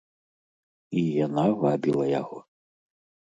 І яна вабіла яго.